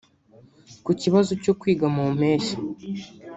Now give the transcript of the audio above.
Ku kibazo cyo kwiga mu mpeshyi